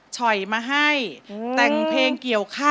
สยีก